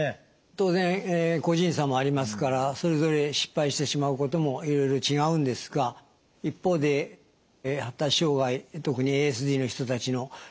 当然個人差もありますからそれぞれ失敗してしまうこともいろいろ違うんですが一方で発達障害特にＡＳＤの人たちの共通しているところもあります。